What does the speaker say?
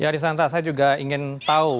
ya arisanta saya juga ingin tahu